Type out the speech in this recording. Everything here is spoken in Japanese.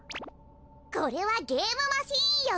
これはゲームマシンよ。